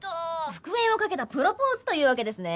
復縁をかけたプロポーズというわけですね。